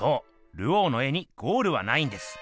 ルオーの絵にゴールはないんです。